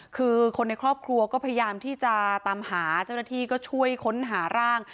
คือคนในครอบครัวก็พยายามที่จะตามหาเจ้าหน้าที่ก็ช่วยค้นหาร่าง